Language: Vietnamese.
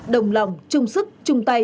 đồng lòng chung sức chung tay